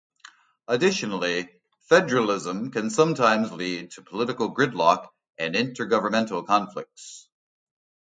Additionally, federalism can sometimes lead to political gridlock and intergovernmental conflicts.